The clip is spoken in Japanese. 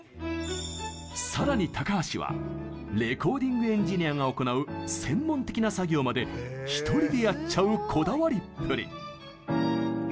さらに高橋はレコーディング・エンジニアが行う専門的な作業まで１人でやっちゃうこだわりっぷり。